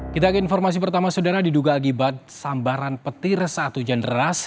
kita ke informasi pertama saudara diduga akibat sambaran petir saat hujan deras